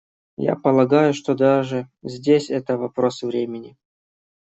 Я полагаю, что даже здесь это вопрос времени.